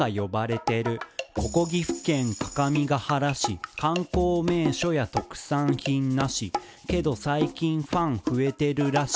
「ここ岐阜県各務原市」「観光名所や特産品無し」「けど最近ファン増えてるらしい」